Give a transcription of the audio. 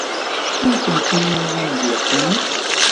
Acḥal n tenfulin ay am-d-yeqqimen?